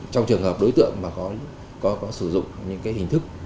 trong trường hợp đối tượng mà có sử dụng những cái hình thức